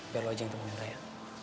biar lo aja yang temuin rai ya